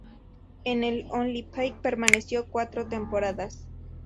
En el Olympique permaneció cuatro temporadas.